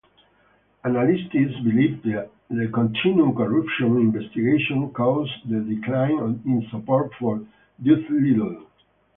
Analysts believed that the continuing corruption investigation caused the decline in support for Doolittle.